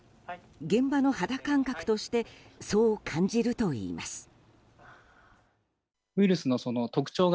現場の肌感覚としてそう感じるといいます。